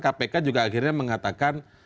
kpk juga akhirnya mengatakan